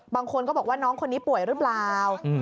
บางคนก็บอกว่าน้องคนนี้ป่วยหรือเปล่า